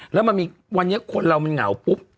แล้วมันมีคนเรามันเหงาปุ๊บ